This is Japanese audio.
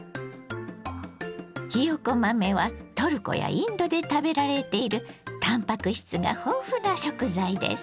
ひよこ豆はトルコやインドで食べられているたんぱく質が豊富な食材です。